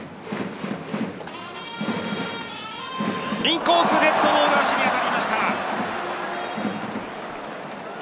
インコース、デッドボール足に当たりました。